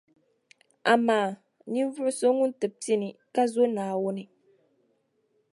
Amaa! Ninvuɣu so ŋun ti pini, ka zo Naawuni.